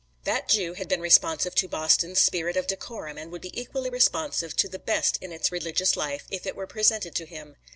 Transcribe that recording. That Jew had been responsive to Boston's spirit of decorum and would be equally responsive to the best in its religious life if it were presented to him.